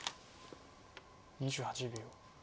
２８秒。